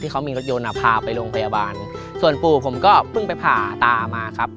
เขามีรถยนต์อ่ะพาไปโรงพยาบาลส่วนปู่ผมก็เพิ่งไปผ่าตามาครับ